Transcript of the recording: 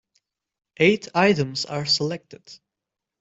Eight items are selected.